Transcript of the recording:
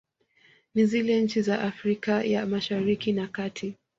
Ni zile nchi za Afrika ya mashariki na kati